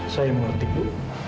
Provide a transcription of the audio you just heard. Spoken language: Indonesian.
saya mengerti bu